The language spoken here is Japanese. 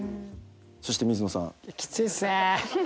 そして水野さん。